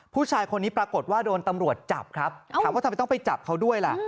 ผู้ชายคนนี้ปรากฏว่าโดนตำรวจจับครับถามว่าทำไมต้องไปจับเขาด้วยล่ะ